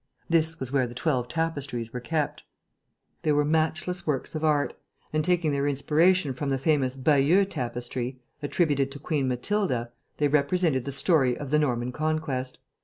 This was where the twelve tapestries were kept. They were matchless works of art and, taking their inspiration from the famous Bayeux Tapestry, attributed to Queen Matilda, they represented the story of the Norman Conquest.